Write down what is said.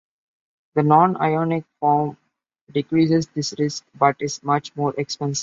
The non-ionic form decreases this risk, but is much more expensive.